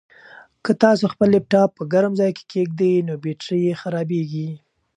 که تاسو خپل لپټاپ په ګرم ځای کې کېږدئ نو بېټرۍ یې خرابیږي.